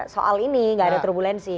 soal ini nggak ada turbulensi